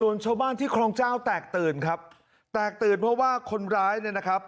ส่วนชาวบ้านที่คลองเจ้าแตกตื่นครับแตกตื่นเพราะว่าคนร้ายเนี่ยนะครับ